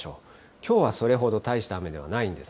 きょうはそれほど大した雨ではないんです。